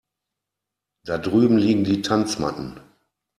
Da drüben liegen die Tanzmatten.